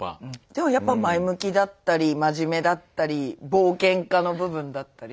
でもやっぱ前向きだったり真面目だったり冒険家の部分だったり。